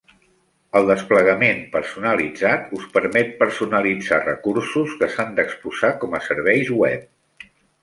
El desplegament personalitzat us permet personalitzar recursos que s'han d'exposar com a serveis web.